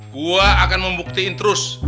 gua akan membuktikan terus